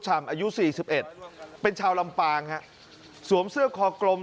อายุสี่สิบเอ็ดเป็นชาวลำปางฮะสวมเสื้อคอกลม